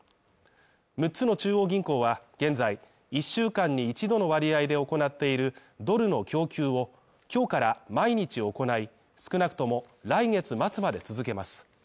六つの中央銀行は現在、１週間に一度の割合で行っているドルの供給を今日から毎日行い、少なくとも来月末まで続けます。